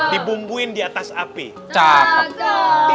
di bumbuin di atas api